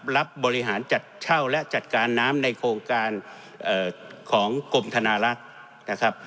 รับบริหารเช่าและจัดการน้ำในโครงการของกรมธนลักษณ์